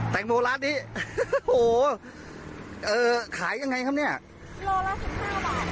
แตงโมร้านนี้โอ้โหเอ่อขายยังไงครับเนี่ยโลละสิบห้าบาท